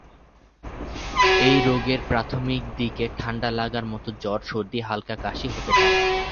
এই রোগের প্রাথমিক দিকে ঠাণ্ডা লাগার মত জ্বর, সর্দি, হালকা কাশি হতে পারে।